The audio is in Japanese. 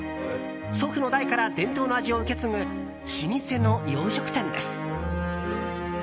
祖父の代から伝統の味を受け継ぐ老舗の洋食店です。